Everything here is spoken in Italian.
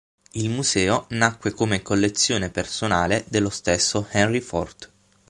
Il museo nacque come collezione personale dello stesso Henry Ford.